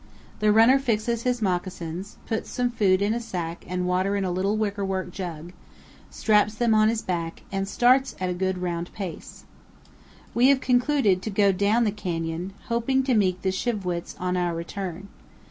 The runner fixes his moccasins, puts some food in a sack and water in a little wickerwork jug, straps them on his back, and starts at a good round pace. We have concluded to go down the canyon, hoping to meet the Shi'vwits on our return.